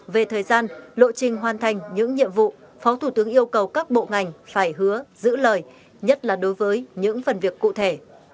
về thời gian lộ trình hoàn thành những nhiệm vụ phó thủ tướng yêu cầu các bộ ngành phải hứa giữ lời nhất là đối với những phần việc cụ thể